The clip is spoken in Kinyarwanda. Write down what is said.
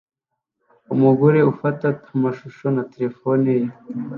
Umugore ufata amashusho na terefone ye